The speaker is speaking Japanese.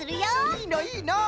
いいのいいの！